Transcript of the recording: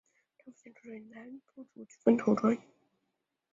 张福兴出生于竹南郡头分庄。